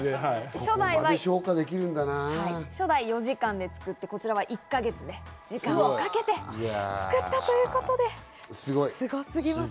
初代は４時間で、こちらは１か月で時間をかけて作ったということです。